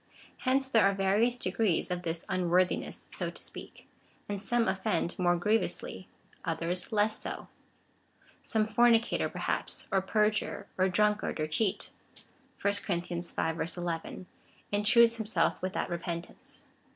Hence there are various degrees of this unworthiness, so to speak ; and some offend more griev ously, others less so. Some fornicator, perhaps, or perjurer, or drunkard, or cheat, (1 Cor. v. 11,) intrudes himself without repentance.